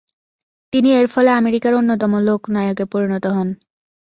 তিনি এর ফলে আমেরিকার অন্যতম লোক নায়কে পরিনত হন।